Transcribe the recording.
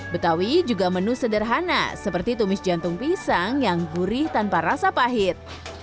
betawi juga menu sederhana seperti tumis jantung pisang yang gurih tanpa rasa pahit